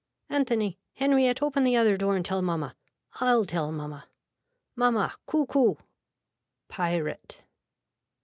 Anthony. Henriette open the other door and tell mamma. I'll tell mamma. Mamma coockcoo. (Pirate.)